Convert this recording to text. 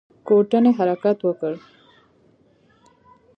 کوټنۍ حرکت وکړ.